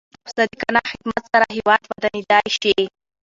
په صادقانه خدمت سره هیواد ودانېدای شي.